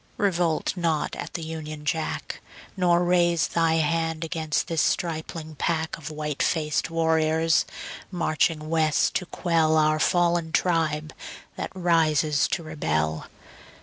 Revolt not at the Union Jack, Nor raise Thy hand against this stripling pack Of white faced warriors, marching West to quell Our fallen tribe that rises to rebel.